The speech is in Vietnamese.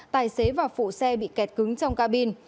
tài xế và phụ xe bị kẹt cứng trong ca bin